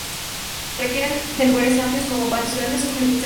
Requieren de lugares amplios como: patios grandes o jardín cercados.